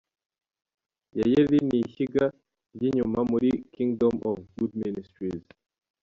Yayeli ni ishyiga ry'inyuma muri Kingdom of God Ministries.